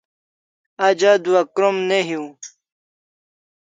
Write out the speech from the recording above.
Aj adua krom ne hiu